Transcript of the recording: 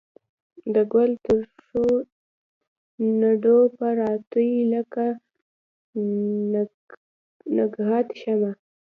د ګل ترشو نډو به راتوی لکه نګهت شمه